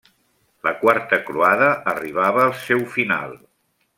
La Quarta croada arribava al seu final.